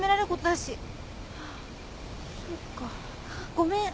ごめん。